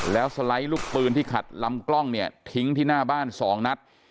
แล้วสไลด์ลูกปืนที่ขัดลำกล้องเนี่ยทิ้งที่หน้าบ้าน๒นัด